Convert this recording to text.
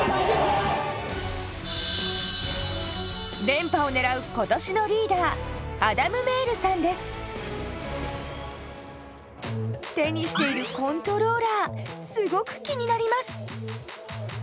連覇を狙う今年のリーダー手にしているコントローラーすごく気になります。